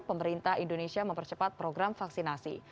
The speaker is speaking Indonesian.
pemerintah indonesia mempercepat program vaksinasi